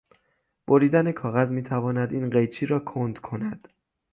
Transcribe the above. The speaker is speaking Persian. بریدن کاغذ میتواند این قیچی را کند کند